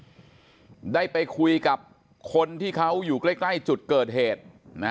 เรื่องนี้นะครับได้ไปคุยกับคนที่เขาอยู่ใกล้จุดเกิดเหตุ